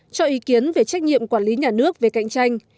cho ý kiến về trách nhiệm quản lý nhà nước về cạnh tranh